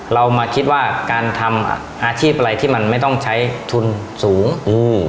เรามาคิดว่าการทำอาชีพอะไรที่มันไม่ต้องใช้ทุนสูงอืม